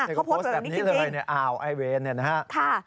เขาโพสต์แบบนี้จริงนะครับอ้าวไอ้เวนนะฮะค่ะ